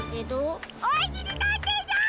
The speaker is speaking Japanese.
おしりたんていさん！